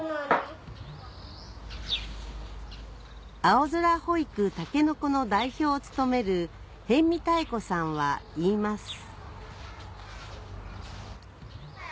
「青空保育たけの子」の代表を務める辺見妙子さんは言います